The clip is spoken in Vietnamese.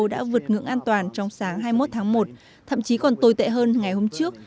đã vượt ngưỡng an toàn trong sáng hai mươi một tháng một thậm chí còn tồi tệ hơn ngày hôm trước